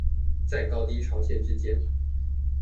在高低潮線之間